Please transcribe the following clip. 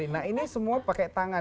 nah ini semua pakai tangan